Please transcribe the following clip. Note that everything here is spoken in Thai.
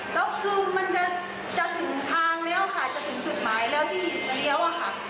แล้วคือมันจะถึงทางแล้วค่ะจะถึงจุดหมายแล้วที่เลี้ยวอะค่ะ